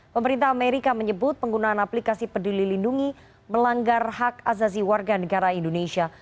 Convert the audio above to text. pemerintah amerika menyebut penggunaan aplikasi peduli lindungi melanggar hak azazi warga negara indonesia